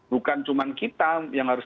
bukan cuma kita yang harus